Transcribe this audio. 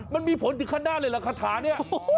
มันมีผลถึงคันหน้าเลยเหรอคาถาเนี่ย